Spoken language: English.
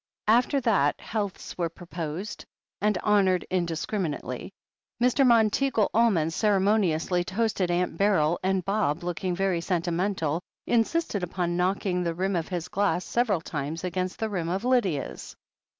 After that healths were proposed and honoured in discriminately. Mr. Monteagle Almond ceremoniously toasted Aunt Beryl, and Bob, looking very sentimental, insisted upon knocking the rim of his glass several times against the rim of Lydia's.